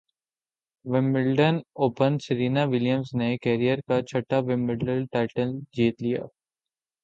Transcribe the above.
Wimbledon open Serena ولیمزنےکیرئیر کا چھٹا ومبلڈن ٹائٹل جیت لیا